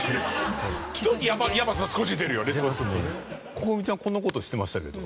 Ｃｏｃｏｍｉちゃんこんな事してましたけど。